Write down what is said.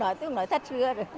tôi cũng nói thật chưa rồi